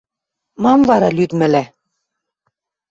– Мам вара лӱдмӹлӓ?